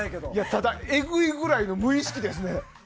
ただ、えぐいぐらいの無意識ですね。